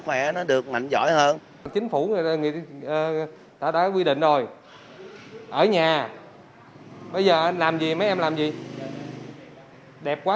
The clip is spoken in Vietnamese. khỏe được mạnh giỏi hơn chính phủ đã quy định rồi ở nhà bây giờ làm gì mấy em làm gì đẹp quá